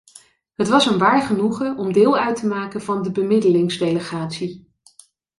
Het was een waar genoegen om deel uit te maken van de bemiddelingsdelegatie.